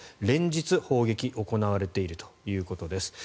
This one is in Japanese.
連日、砲撃が行われているということです。